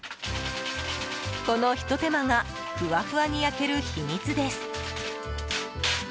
このひと手間がふわふわに焼ける秘密です。